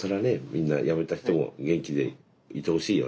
みんな辞めた人も元気でいてほしいよね